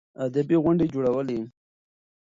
ادبي غونډې يې جوړولې.